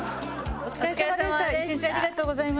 お疲れさまでした。